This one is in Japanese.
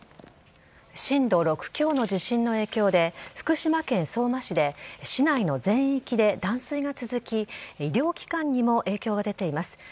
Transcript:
震度６強の地震の影響で福島県相馬市で市内の全域で断水が続き医療機関にも影響が出ています。